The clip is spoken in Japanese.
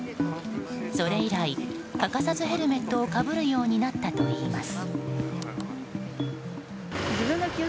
それ以来、欠かさずヘルメットをかぶるようになったといいます。